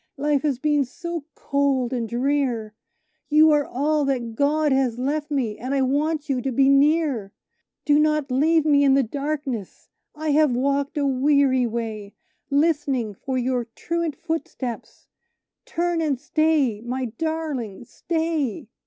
Life has been so cold and drear, You are all that God has left me, and I want you to be near! Do not leave me in the darkness! I have walked a weary way, Listening for your truant footsteps turn and stay, my darling, stay!"